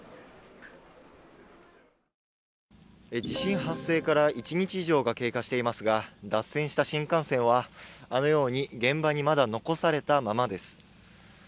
地震発生から１日以上が経過していますが、脱線した新幹線はあのように現場にまだ残されたままです。